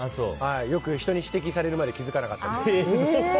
よく、人に指摘されるまで気づかなかったり。